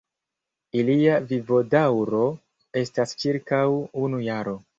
Ilia vivodaŭro estas ĉirkaŭ unu jaro.